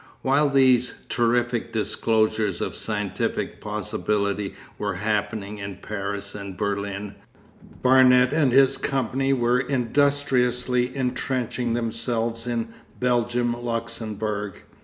While these terrific disclosures of scientific possibility were happening in Paris and Berlin, Barnet and his company were industriously entrenching themselves in Belgian Luxembourg.